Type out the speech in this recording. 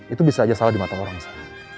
itu bisa aja salah di mata orang sana